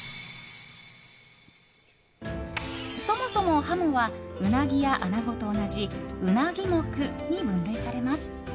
そもそもハモはウナギやアナゴと同じウナギ目に分類されます。